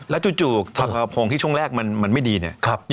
แล้วจู่โพงที่ช่วงแรกมันไม่ดีเนี่ย